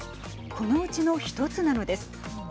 このうちの１つなのです。